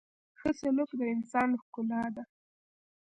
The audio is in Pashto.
• ښه سلوک د انسان ښکلا ده.